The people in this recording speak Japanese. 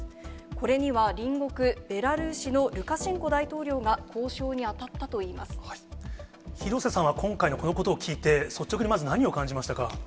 これには隣国ベラルーシのルカシェンコ大統領が交渉に当たったと廣瀬さんは、今回のこのことを聞いて、率直にまず何を感じましたか？